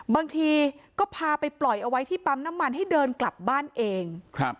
บางทีก็พาไปปล่อยเอาไว้ที่ปั๊มน้ำมันให้เดินกลับบ้านเอง